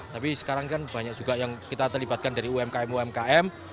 tapi sekarang kan banyak juga yang kita terlibatkan dari umkm umkm